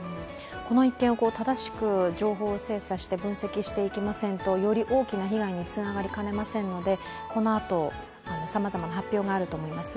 この一件を正しく情報を精査して分析していきませんと、より大きな被害につながりかねませんのでこのあと、さまざまな発表があると思います。